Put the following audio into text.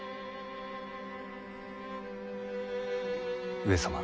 上様。